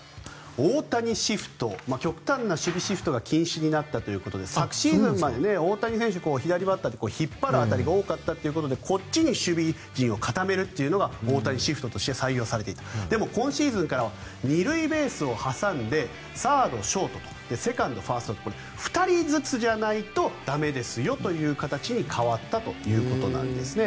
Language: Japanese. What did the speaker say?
大谷シフト、極端な守備シフトが禁止になったということで昨シーズンまで大谷選手左バッターで引っ張る当たりが多かったということでこっちに守備陣を固めるというのが大谷シフトとして採用されていたでも、今シーズンからは２塁ベースを挟んでサード、ショートとセカンド、ファーストと２人ずつじゃないと駄目ですよという形に変わったということなんですね。